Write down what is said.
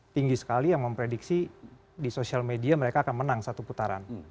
tinggi sekali yang memprediksi di sosial media mereka akan menang satu putaran